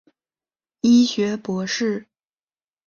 医学博士。